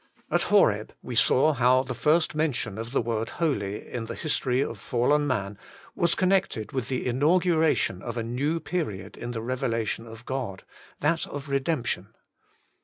AT Horeb we saw how the first mention of the word holy in the history of fallen man was connected with the inauguration of a new period in the revelation of God, that of Redemption.